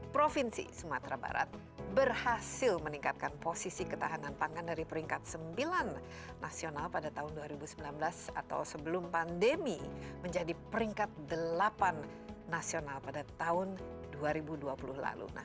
provinsi sumatera barat berhasil meningkatkan posisi ketahanan pangan dari peringkat sembilan nasional pada tahun dua ribu sembilan belas atau sebelum pandemi menjadi peringkat delapan nasional pada tahun dua ribu dua puluh lalu